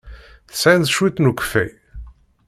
Tesɛiḍ cwiṭ n ukeffay?